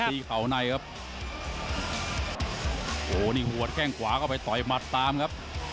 เข่าในครับโอ้โหนี่หัวแข้งขวาเข้าไปต่อยหมัดตามครับ